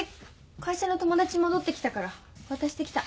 会社の友達戻ってきたから渡してきた。